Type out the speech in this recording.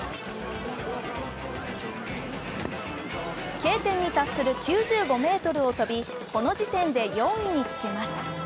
Ｋ点に達する９５ｍを飛び、この時点で４位につけます。